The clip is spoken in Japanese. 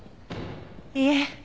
いえ。